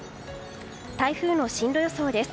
台風の進路予想です。